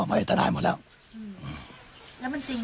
อันมาเป็น๗ล้านบาทคุณพ่อทราบไหม